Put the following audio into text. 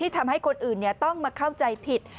ทำให้คนอื่นต้องมาเข้าใจผิด